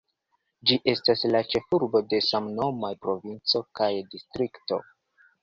Ĝi estas la ĉefurbo de samnomaj provinco kaj distrikto.